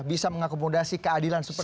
bisa mengakomodasi keadilan seperti